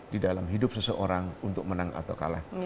di dalam hidup seseorang untuk menang atau kalah